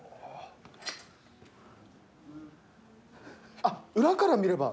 あっ裏から見れば。